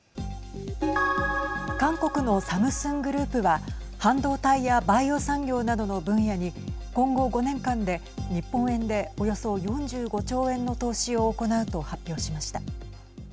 韓国のサムスングループは半導体やバイオ産業などの分野に今後５年間で日本円で、およそ４５兆円の投資を行うと発表しました。